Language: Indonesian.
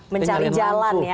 mencari jalan ya